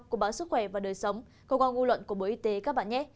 của bản sức khỏe và đời sống công an ngu luận của bộ y tế các bạn nhé